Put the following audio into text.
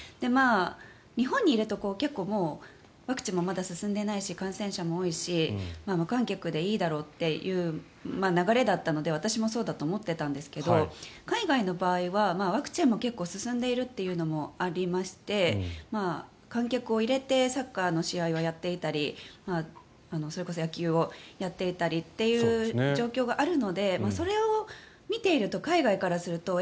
日本にいると結構ワクチンもまだ進んでないし感染者も多いし無観客でいいだろうという流れだったので私もそうだと思っていたんですけど海外の場合はワクチンも結構進んでいるというのもありまして観客を入れてサッカーの試合をやっていたりそれこそ野球をやっていたりという状況があるのでそれを見ていると海外からするとえ？